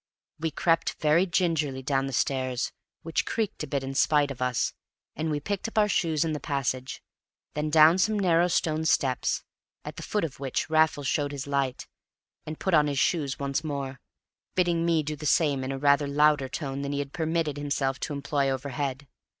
We crept very gingerly down the stairs, which creaked a bit in spite of us, and we picked up our shoes in the passage; then down some narrow stone steps, at the foot of which Raffles showed his light, and put on his shoes once more, bidding me do the same in a rather louder tone than he had permitted himself to employ overhead.